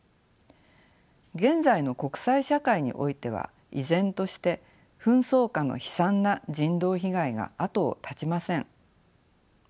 現在の国際社会においては依然として紛争下の悲惨な人道被害が後を絶ちません。